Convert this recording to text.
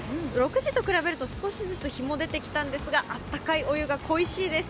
６時と比べると少しずつ日も出てきたんですが、温かいお湯が恋しいです。